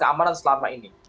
mereka tidak aman selama ini